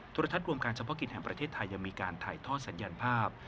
รทัศรวมการเฉพาะกิจแห่งประเทศไทยยังมีการถ่ายทอดสัญญาณภาพ